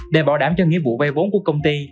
để bảo đảm cho nghĩa vụ vay vốn của công ty